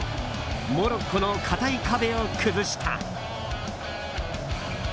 モロッコの堅い壁を崩した。